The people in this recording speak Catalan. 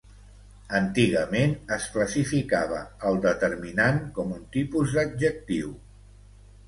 Antigament es classificava el determinant com un tipus d'adjectiu.